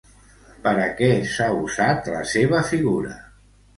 Per a què s'ha usat la seva figura?